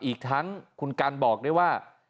อีกทั้งคุณกันบอกด้วยว่า